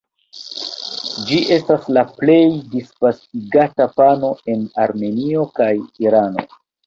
Ĝi estas la plej disvastigata pano en Armenio kaj Irano.